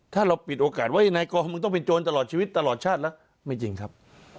ถ้าเราปิดโอกาสไว้นายกองมึงต้องเป็นโจรตลอดชีวิตตลอดชาติแล้วไม่จริงครับ